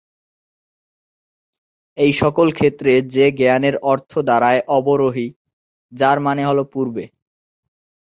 এই সকল ক্ষেত্রে, যে জ্ঞানের অর্থ দাঁড়ায় "অবরোহী", যার মানে হল পূর্বে।